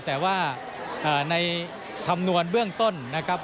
แต่ว่าในคำนวณเบื้องต้น